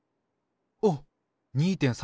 おっ２．３ｇ！